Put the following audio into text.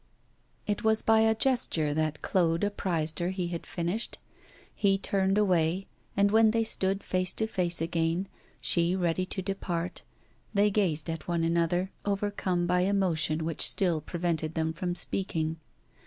It was by a gesture that Claude apprized her he had finished. He turned away, and when they stood face to face again, she ready to depart, they gazed at one another, overcome by emotion which still prevented them from speaking.